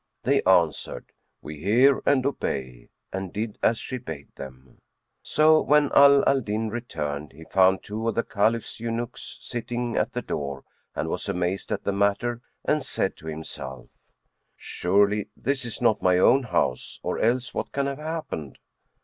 They answered, "We hear and obey;" and did as she bade them. So, when Ala al Din returned, he found two of the Caliph's eunuchs sitting at the door and was amazed at the matter and said to himself, "Surely, this is not my own house; or else what can have happened?"